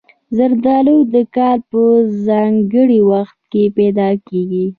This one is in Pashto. زردالو د کال په ځانګړي وخت کې پیدا کېږي.